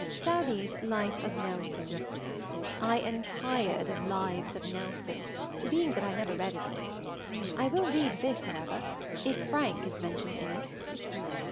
Southey's "Life of Nelson." I am tired of "Lives of Nelson," being that I never read any. I will read this, however, if Frank is mentioned in it.